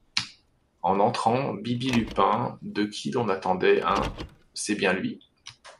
En entrant Bibi-Lupin de qui l’on attendait un :—« C’est bien lui !…